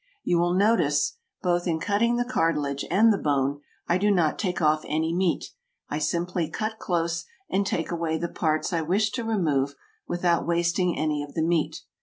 You will notice both in cutting the cartilage and the bone, I do not take off any meat. I simply cut close, and take away the parts I wish to remove without wasting any of the meat.